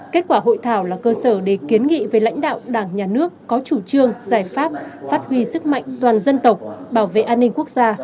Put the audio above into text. kết quả hội thảo là cơ sở để kiến nghị với lãnh đạo đảng nhà nước có chủ trương giải pháp phát huy sức mạnh toàn dân tộc bảo vệ an ninh quốc gia